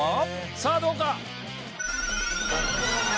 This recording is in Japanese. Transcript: さあどうか？